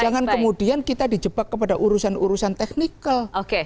jangan kemudian kita di jebak kepada urusan urusan teknikal